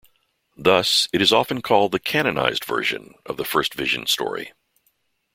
Thus, it is often called the "canonized version" of the First Vision story.